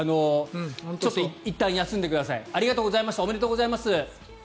ちょっといったん休んでください。